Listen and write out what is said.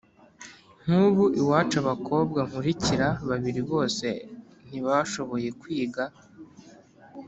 Nk’ubu iwacu abakobwa nkurikira babiri bose ntibashoboye kwiga,